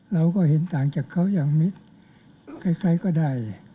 เราก็เห็นต่างจากเขาอย่างมิตรใครก็ได้